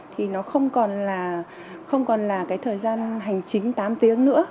thì nó không còn là thời gian hành chính tám tiếng nữa